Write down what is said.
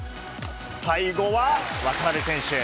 最後は渡辺選手。